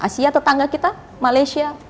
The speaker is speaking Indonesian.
asia tetangga kita malaysia